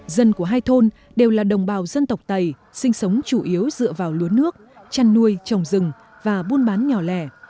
dân của hai thôn đều là đồng bào dân tộc tày sinh sống chủ yếu dựa vào lúa nước chăn nuôi trồng rừng và buôn bán nhỏ lẻ